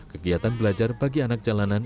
kegiatan belajar bagi anak jalanan